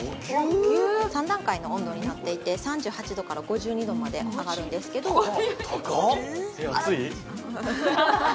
３段階の温度になっていて３８度から５２度まで上がるんですけど高っ高っ！